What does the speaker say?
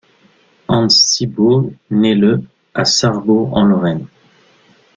Hans Siburg naît le à Sarrebourg en Lorraine.